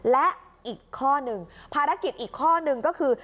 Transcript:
และอีกข้อหนึ่งภารกิจอีกข้อหนึ่งก็คือ